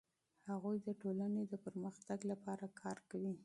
هغوی د ټولنې د پرمختګ لپاره کار کوي.